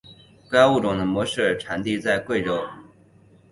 该物种的模式产地在贵州。